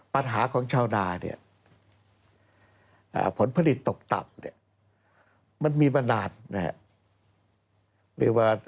ปัญหาของชาวนาเนี่ยผลผลิตตกต่ำเนี่ยมันมีมานานนะครับ